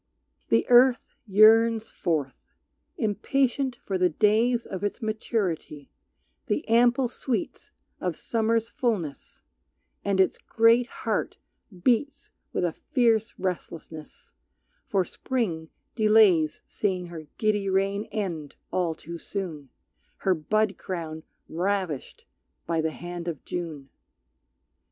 The earth yearns forth, impatient for the days Of its maturity, the ample sweets Of Summer's fulness; and its great heart beats With a fierce restlessness, for Spring delays Seeing her giddy reign end all too soon, Her bud crown ravished by the hand of June.